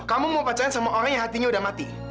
kamu mau pacaran sama orang yang hatinya udah mati